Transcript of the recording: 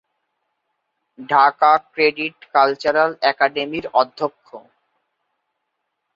Dhaka credit cultural একাডেমির অধ্যক্ষ।